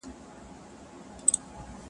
څوك به راسي د ايوب سره ملګري-